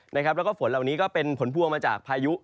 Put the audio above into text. แล้วก็ฝนเหล่านี้ก็เป็นผลพวงมาจากพายุ